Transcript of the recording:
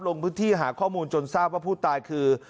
ลงพื้นที่หาข้อมูลจนทราบว่าผู้ตายคือ